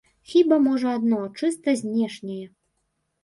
Хіба можа адно, чыста знешняе.